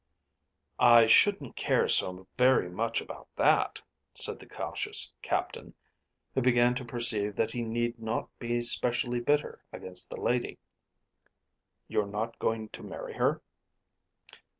"I shouldn't care so very much about that," said the cautious Captain, who began to perceive that he need not be specially bitter against the lady. "You're not going to marry her."